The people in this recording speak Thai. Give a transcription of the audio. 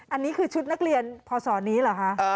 อันนี้คือชุดนักเรียนพศนี้เหรอคะ